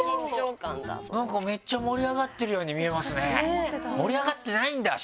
なんかめっちゃ盛り上がってるように見えますね。